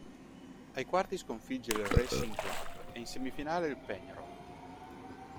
Ai quarti sconfigge il Racing Club e in semifinale il Peñarol.